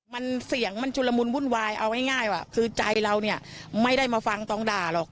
มันเสียงมันชุลมุนวุ่นวายเอาง่ายว่าคือใจเราเนี่ยไม่ได้มาฟังต้องด่าหรอก